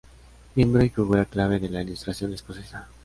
Miembro y figura clave de la Ilustración escocesa.